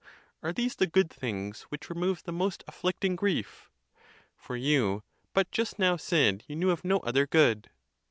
Are these the good things which remove the most afilicting grief? For you but just now said you knew of no other good.